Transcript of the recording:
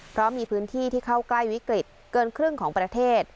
เพราะมีพื้นที่ที่เข้าใกล้วิกฤตเกินครึ่งของประเทศ